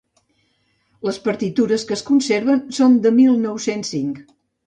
Les partitures que es conserven són de mil nou-cents cinc.